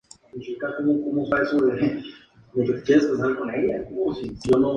No ha estado en contacto con su familia desde que desertó.